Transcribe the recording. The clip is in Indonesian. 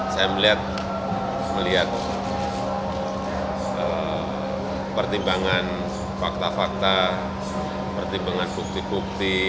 saya melihat pertimbangan fakta fakta pertimbangan bukti bukti